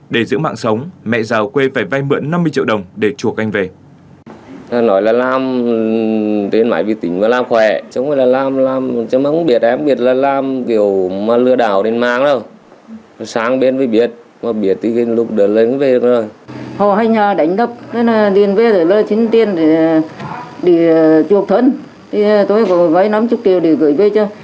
để giữ mạng sống mẹ giàu quê phải vay mượn năm mươi triệu đồng để chuộc anh về